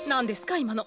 今の。